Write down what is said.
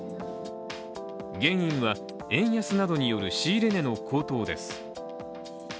原因は円安などによる仕入れ値の高騰です。